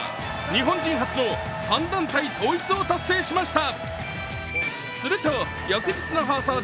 日本人初の３団体統一を達成しました。